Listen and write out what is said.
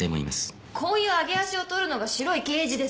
こういう揚げ足を取るのが白い刑事ですか？